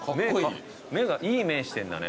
目がいい目してんだね。